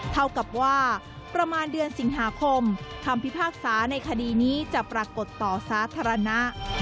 เท่ากับว่าประมาณเดือนสิงหาคมคำพิพากษาในคดีนี้จะปรากฏต่อสาธารณะ